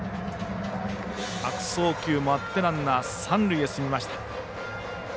悪送球もあってランナーは三塁へ進みました。